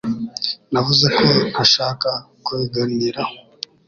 Navuze ko ntashaka kubiganiraho